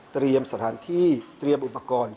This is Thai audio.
เตรียมสถานที่เตรียมอุปกรณ์